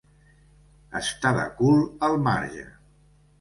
Estar de cul al marge.